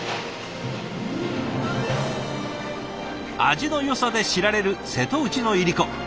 味のよさで知られる瀬戸内のいりこ。